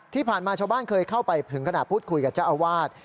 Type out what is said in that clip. ที่ผ่านมาชาวบ้านเคยเข้าไปถึงขณะพูดคุยกับเจ้าอาวาส